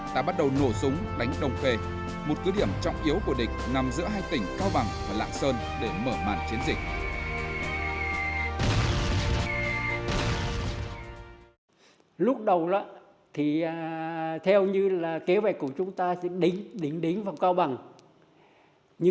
đã bắt đầu nổ súng đánh đồng khê một cứ điểm trọng yếu của địch nằm giữa hai tỉnh cao bằng và lạng sơn để mở màn chiến dịch